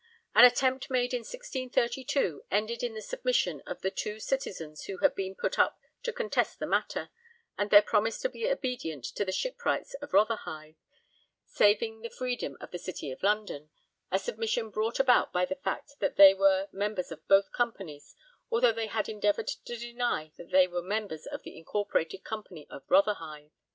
An attempt made in 1632 ended in the submission of the two citizens who had been put up to contest the matter, and their 'promise to be obedient to the Shipwrights of Rotherhithe, saving the freedom of the City of London'; a submission brought about by the fact that they were members of both companies, although they had endeavoured to deny that they were members of the Incorporated Company of Rotherhithe.